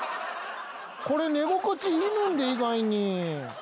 これ寝心地いいねんで意外に。